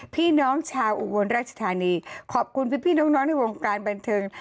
พี่น้องชาวอุบลราชธานีขอบคุณพี่น้องในวงการบันเทิง